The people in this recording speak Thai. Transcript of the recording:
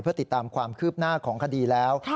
เพื่อติดตามความคืบหน้าของคดีแล้ว